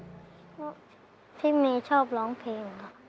เพราะพี่เมชอบร้องเพลง